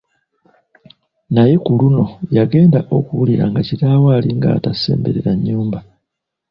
Naye ku luno yagenda okuwulira nga kitaawe alinga atasemberera nnyumba!